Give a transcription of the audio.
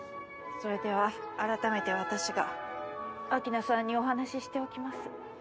それでは改めて私が秋菜さんにお話しておきます。